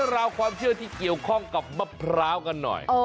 ราวความเชื่อที่เกี่ยวข้องกับมะพร้าวกันหน่อย